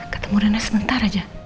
ketemu rena sebentar aja